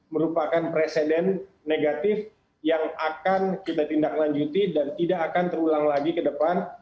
merupakan presiden negatif yang akan kita tindak lanjuti dan tidak akan terulang lagi ke depan